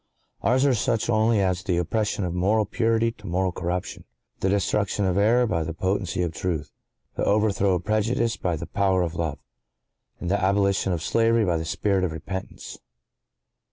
Ours are such only as the opposition of moral purity to moral corruption—the destruction of error by the potency of truth—the overthrow of prejudice by the power of love—and the abolition of slavery by the spirit of repentance.